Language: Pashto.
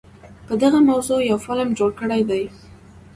په دغه موضوع يو فلم جوړ کړے دے